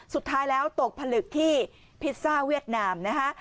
สุดท้ายแล้วตกผลึกที่พิซซ่าเวียดนามนะคะ